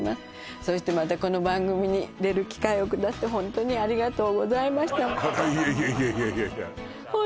そしてまたこの番組に出る機会をくだすってホントにありがとうございましたあらいえいえいやいや